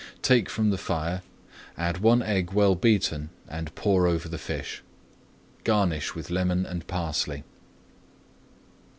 Take from the fire, add one egg well beaten, and pour over the fish. Garnish with lemon and parsley.